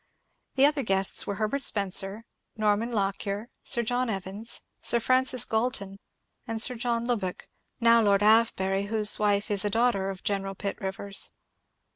The other guests were Herbert Spencer, Norman Lockyer, Sir John Evans, Sir Francis Galton, and Sir John Lubbock (now Lord Avebury, whose wife is a daughter of General Pitt Rivers).